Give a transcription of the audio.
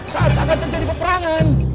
saat agak terjadi peperangan